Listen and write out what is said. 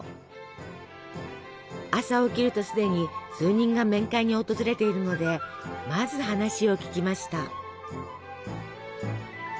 朝起きるとすでに数人が面会に訪れているのでまず話を聞きました。